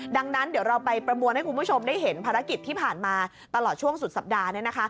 ดังนั้นเดี๋ยวเราไปประมวลให้คุณผู้ชมได้เห็นภารกิจที่ผ่านมาตลอดช่วงสุดสัปดาห์